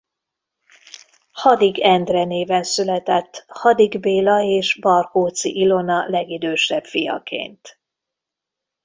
Hadik Endre néven született Hadik Béla és Barkóczy Ilona legidősebb fiaként.